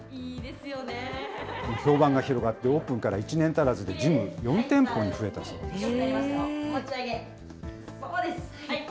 評判が広がって、オープンから１年足らずで、ジムが４店舗に増えたそうです。